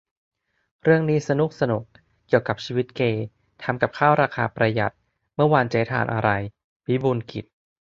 - เรื่องนี้สนุ๊กสนุก เกี่ยวกับชีวิตเกย์ ทำกับข้าวราคาประหยัด "เมื่อวานเจ๊ทานอะไร ?" วิบูลย์กิจ